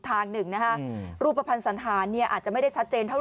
ทางหนึ่งนะฮะรูปภัณฑ์สันธารอาจจะไม่ได้ชัดเจนเท่าไ